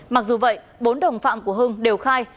mặc dù vậy bốn đồng phạm của hưng đều khai